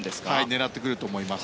狙ってくると思います。